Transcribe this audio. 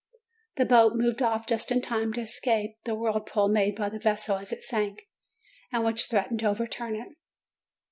The boat moved off just in time to escape the whirl pool made by the vessel as it sank, and which threat ened to overturn it.